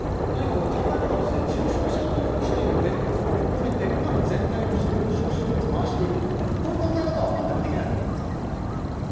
何か考え方として重症者用に残しているベッドも含めてうまく全体として病床使用率を回していくという考え方は全くできないものなんですか。